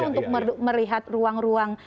untuk melihat ruang ruang